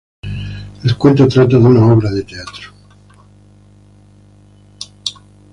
El cuento trata de una obra de teatro.